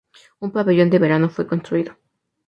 Un pabellón de verano fue construido.